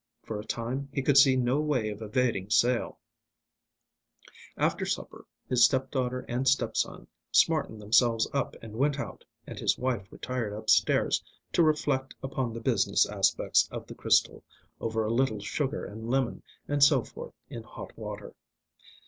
For a time he could see no way of evading sale. After supper his step daughter and step son smartened themselves up and went out and his wife retired upstairs to reflect upon the business aspects of the crystal, over a little sugar and lemon and so forth in hot water.